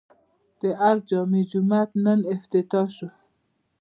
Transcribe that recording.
د ارګ جامع جومات نن افتتاح شو